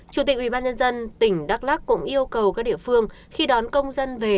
chủ tịch ubnd tỉnh đắk lắc cũng yêu cầu các địa phương khi đón công dân về